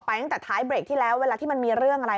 ตั้งแต่ท้ายเบรกที่แล้วเวลาที่มันมีเรื่องอะไร